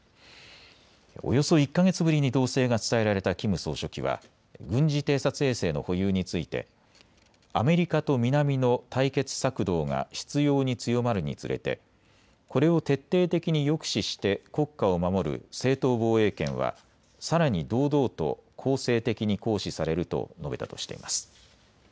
およそ１か月ぶりに動静が伝えられたキム総書記は軍事偵察衛星の保有についてアメリカと南の対決策動が執ように強まるにつれてこれを徹底的に抑止して国家を守る正当防衛権はさらに堂々と攻勢的に行使されると述べたとしています。